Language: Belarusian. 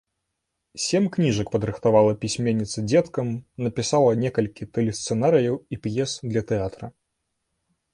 Сем кніжак падрыхтавала пісьменніца дзеткам, напісала некалькі тэлесцэнарыяў і п'ес для тэатра.